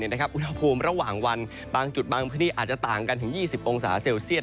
อุณหภูมิระหว่างวันบางจุดบางพื้นที่อาจจะต่างกันถึง๒๐องศาเซลเซียต